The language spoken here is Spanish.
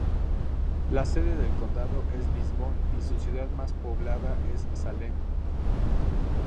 La sede del condado es Lisbon, y su ciudad más poblada es Salem.